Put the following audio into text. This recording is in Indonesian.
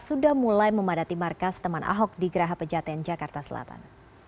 sudah mulai memadati markas teman ahok di geraha pejaten jakarta selatan